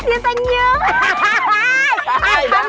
mari dia tanyam